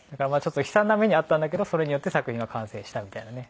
悲惨な目に遭ったんだけどそれによって作品は完成したみたいなね。